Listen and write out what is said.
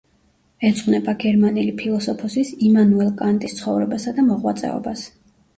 ეძღვნება გერმანელი ფილოსოფოსის იმანუელ კანტის ცხოვრებასა და მოღვაწეობას.